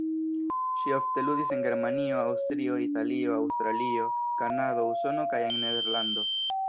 Ŝi ofte ludis en Germanio, Aŭstrio, Italio, Aŭstralio, Kanado, Usono kaj en Nederlando.